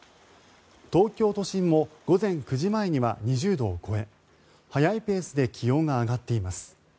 東京都心も午前９時前には２０度を超え早いペースで気温が上がっています。